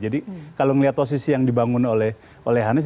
jadi kalau melihat posisi yang dibangun oleh anies